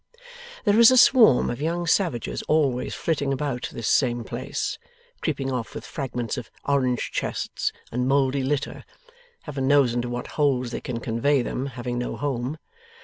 There is a swarm of young savages always flitting about this same place, creeping off with fragments of orange chests, and mouldy litter Heaven knows into what holes they can convey them, having no home!